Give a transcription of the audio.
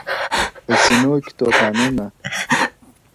په سينو کې توپانونه -